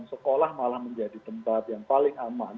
sekolah malah menjadi tempat yang paling aman